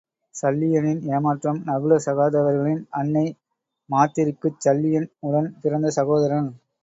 சல்லியனின் ஏமாற்றம் நகுல சகாதேவர்களின் அன்னை மாத்திரிக்குச் சல்லியன் உடன் பிறந்த சகோதரன்.